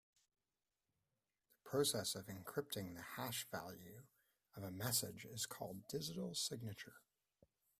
The process of encrypting the hash value of a message is called digital signature.